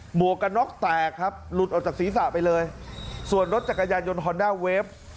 หัวกระน็อกแตกครับหลุดออกจากศีรษะไปเลยส่วนรถจักรยานยนต์ฮอนด้าเวฟ